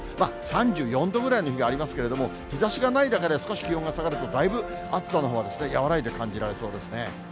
３４度ぐらいの日がありますけれども、日ざしがないだけで少し気温が下がると、だいぶ暑さのほうは和らいで感じられそうですね。